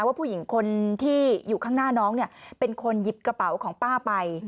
ว่าผู้หญิงคนที่อยู่ข้างหน้าน้องเป็นคนหยิบกระเป๋าของป้าไป